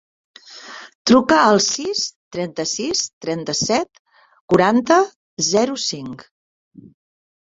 Truca al sis, trenta-sis, trenta-set, quaranta, zero, cinc.